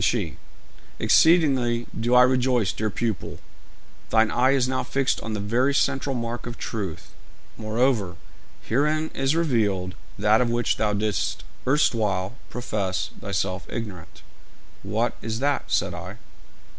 Then she: 'Exceedingly do I rejoice, dear pupil; thine eye is now fixed on the very central mark of truth. Moreover, herein is revealed that of which thou didst erstwhile profess thyself ignorant.' 'What is that?' said I.